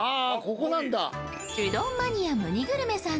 うどんマニア・むにぐるめさん